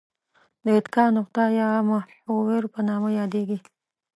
د اتکا نقطه یا محور په نامه یادیږي.